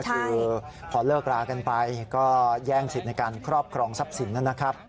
คือพอเลิกรากันไปก็แย่งสิทธิ์ในการครอบครองทรัพย์สินนะครับ